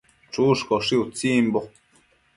Chushcaushi utsibo